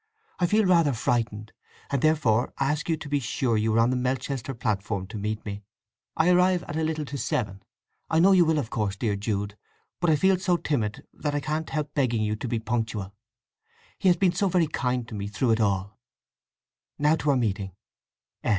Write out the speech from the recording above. I feel rather frightened, and therefore ask you to be sure you are on the Melchester platform to meet me. I arrive at a little to seven. I know you will, of course, dear Jude; but I feel so timid that I can't help begging you to be punctual. He has been so very kind to me through it all! Now to our meeting!